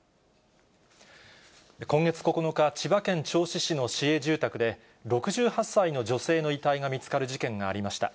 今月９日、千葉県銚子市の市営住宅で、６８歳の女性の遺体が見つかる事件がありました。